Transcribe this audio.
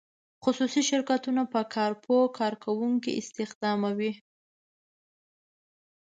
خصوصي شرکتونه په کار پوه کارکوونکي استخداموي.